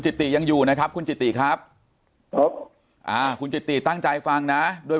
ติยังอยู่นะครับคุณจิติครับคุณจิติตั้งใจฟังนะด้วย